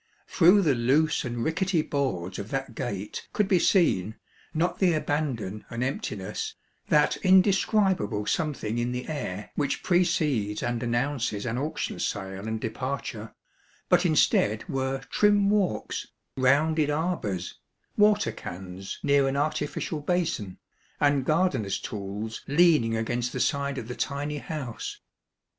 Through the loose and rickety boards of that gate could be seen, not the abandon and emptiness, that indescribable something in the air which precedes and announces an auction sale and departure, but instead were trim walks, rounded arbors, water cans near an artificial basin, and gardener's tools leaning against the side of the tiny house.